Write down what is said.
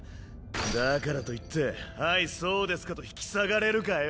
だからといって「はいそうですか」と引き下がれるかよ。